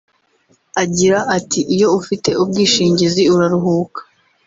Agira ati “Iyo ufite ubwishingizi uraruhuka